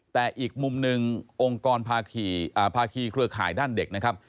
แต่อีกมุมหนึ่งองค์กรภาคีเครือข่ายด้านเด็กนะครับ